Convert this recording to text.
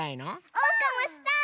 おうかもしたい！